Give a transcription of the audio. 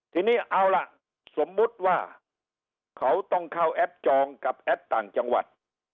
ทีนี้เอาล่ะสมมุติว่าเขาต้องเข้าแอปจองกับแอปต่างจังหวัด